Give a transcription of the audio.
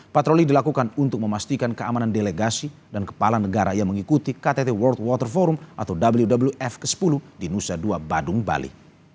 patroli dilakukan untuk memastikan keamanan delegasi dan kepala negara yang mengikuti ktt world water forum atau wwf ke sepuluh di nusa dua badung bali